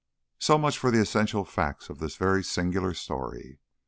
So much for the essential facts of this very singular story.